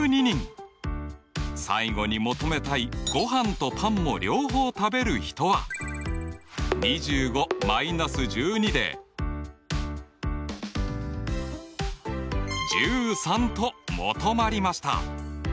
最後に求めたいごはんとパンも両方食べる人は２５−１２で１３と求まりました。